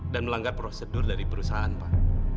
dan melanggar prosedur dari perusahaan pak